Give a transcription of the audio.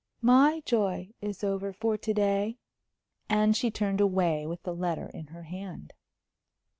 "My joy is over for to day!" And she turned away with the letter in her hand.